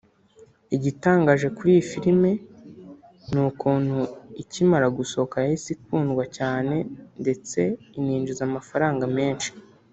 Igitangaje kuri iyi filimi ni ukuntu ikimara gusohoka yahise ikundwa cyane ndetse ininjiza amafaranga menshi